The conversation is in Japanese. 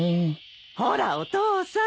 ほらお父さん。